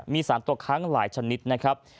มีสารตกค้างหลายชนิดนะครับ